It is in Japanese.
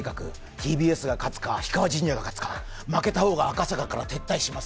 ＴＢＳが勝つか氷川神社が勝つか負けた方が赤坂から撤退します